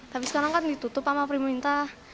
tapi sekarang kan ditutup sama pemerintah